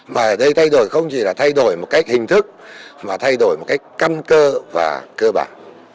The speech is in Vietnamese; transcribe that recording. mà ở đây thay đổi không chỉ là thay đổi một cách hình thức mà thay đổi một cách căn cơ và cơ bản